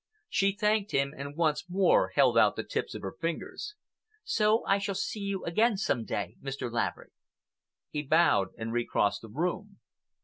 She thanked him and once more held out the tips of her fingers. "So I shall see you again some day, Mr. Laverick." He bowed and recrossed the room.